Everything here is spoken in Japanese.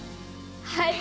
はい！